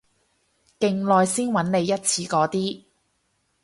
勁耐先搵你一次嗰啲